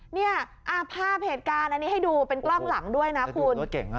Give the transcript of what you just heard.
เนี่ยภาพเหตุการณ์อันนี้ให้ดูเป็นกล้องหลังด้วยนะคุณ